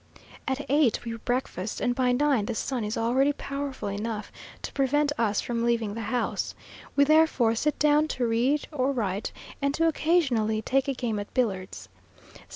At eight we breakfast, and by nine the sun is already powerful enough to prevent us from leaving the house. We therefore sit down to read or write, and do occasionally take a game at billiards.